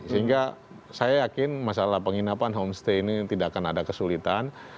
sehingga saya yakin masalah penginapan homestay ini tidak akan ada kesulitan